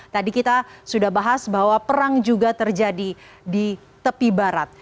tadi kita sudah bahas bahwa perang juga terjadi di tepi barat